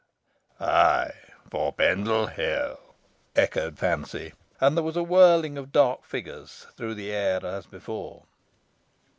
"Ay, for Pendle Hill!" echoed Fancy. And there was a whirling of dark figures through the air as before.